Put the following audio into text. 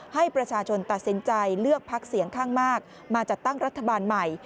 ให้ประชาชนตัดสินใจเลือกพักเสียงข้างมากมาจัดตั้งรัฐบาลใหม่